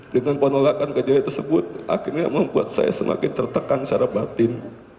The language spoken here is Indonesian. dengan penolakan gajian tersebut akhirnya membuat saya semakin tertekan secara batin